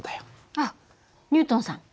あっニュートンさん。